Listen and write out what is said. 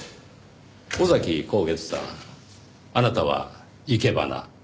尾崎孝月さんあなたはいけばな